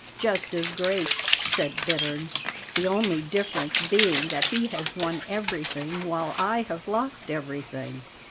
"Just as great," said Bittern, "the only difference being that he has won everything while I have lost everything."